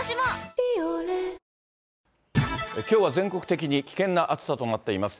きょうは全国的に危険な暑さとなっています。